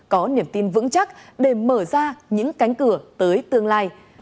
có niềm tin vững chắc để mở ra những cánh cửa tới tương lai